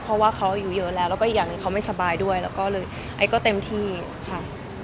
เพราะว่าเขาอายุเยอะแล้วแล้วก็อีกอย่างหนึ่งเขาไม่สบายด้วยแล้วก็เลยไอ้ก็เต็มที่ค่ะ